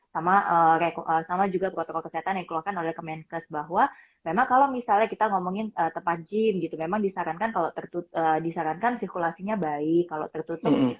sama juga protokol kesehatan yang dikeluarkan oleh kemenkes bahwa memang kalau misalnya kita ngomongin tempat gym gitu memang disarankan kalau disarankan sirkulasinya baik kalau tertutup